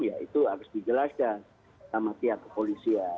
ya itu harus dijelaskan sama pihak kepolisian